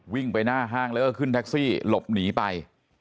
วิ่งไปหน้าห้างแล้วก็ขึ้นแท็กซี่หลบหนีไป